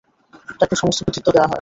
তাকে সমস্ত কৃতিত্ব দেয়া হয়।